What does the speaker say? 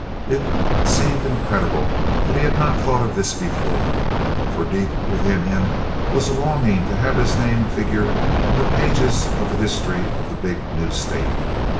It seemed incredible that he had not thought of this before, for deep within him was a longing to have his name figure in the pages of the history of the big new state.